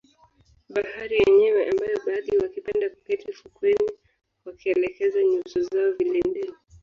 Bahari yenyewe ambayo baadhi wakipenda kuketi fukweni wakielekeza nyuso zao vilindini